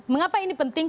mengapa ini penting